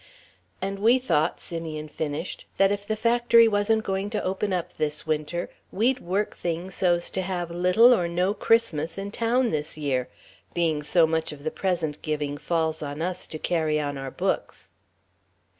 "And we thought," Simeon finished, "that if the factory wasn't going to open up this Winter, we'd work things so's to have little or no Christmas in town this year being so much of the present giving falls on us to carry on our books."